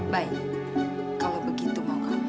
baik kalau begitu mau kamu